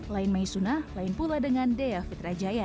lain mayasuna lain pun dengan deofit rajaya